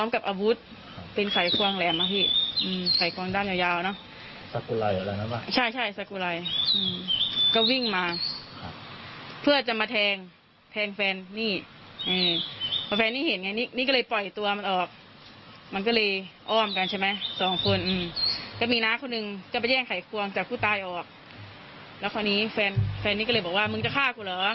ก็เลยแฟนนี้สวัสดีแฟนนี้ก็เลยบอกว่ามึงจะฆ่ากูหรอ